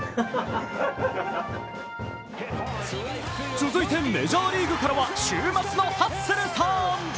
続いてメジャーリーグからは週末のハッスルさん。